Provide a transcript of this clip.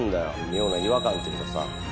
妙な違和感というかさ。